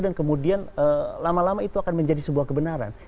dan kemudian lama lama itu akan menjadi sebuah kebenaran